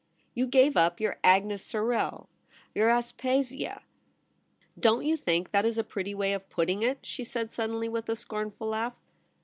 You gave up your Agnes Sorel, your Aspasia. Don't you think that is a pretty way of putting it ?' she said sud denly, with a scornful laugh.